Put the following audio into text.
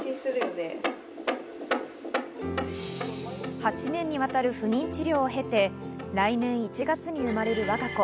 ８年にわたる不妊治療を経て、来年１月に生まれるわが子。